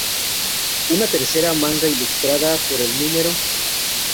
Una tercera manga, ilustrada por el No.